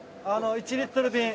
１リットル瓶。